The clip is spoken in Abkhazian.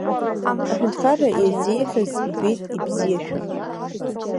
Аҳәынҭқарра иазеиӷьыз ибеит ибзиашәа!